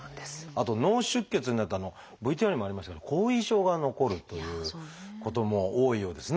あと脳出血になるとＶＴＲにもありましたけど後遺症が残るということも多いようですね。